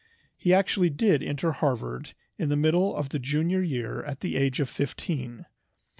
He actually did enter Harvard in the middle of the junior year at the age of fifteen.